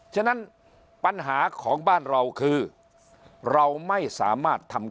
ฉะนั้นปัญหาของบ้านเราคือเราไม่สามารถทำ